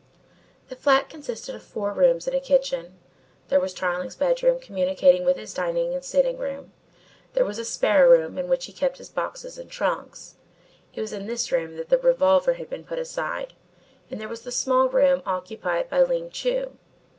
The flat consisted of four rooms and a kitchen. There was Tarling's bedroom communicating with his dining and sitting room. There was a spare room in which he kept his boxes and trunks it was in this room that the revolver had been put aside and there was the small room occupied by Ling Chu.